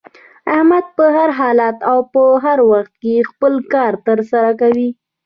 احمد په هر حالت او هر وخت کې خپل کار تر سره کوي.